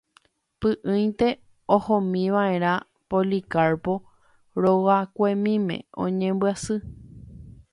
Py'ỹinte ohómiva'erã Policarpo rogakuemíme oñembyasy.